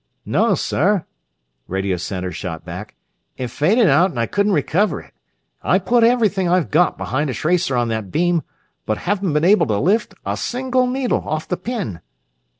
"No, sir," Radio Center shot back. "It faded out and I couldn't recover it. I put everything I've got behind a tracer on that beam, but haven't been able to lift a single needle off the pin."